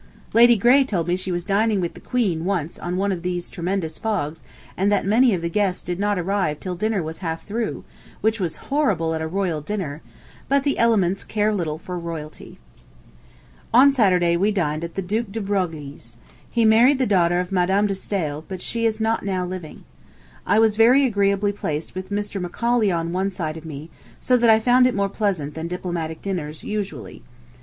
... Lady Grey told me she was dining with the Queen once in one of these tremendous fogs, and that many of the guests did not arrive till dinner was half through, which was horrible at a royal dinner; but the elements care little for royalty. November 14th. On Saturday we dined at the Duc de Broglie's. He married the daughter of Madam de Staël, but she is not now living. I was very agreeably placed with Mr. Macaulay on one side of me, so that I found it more pleasant than diplomatic dinners usually.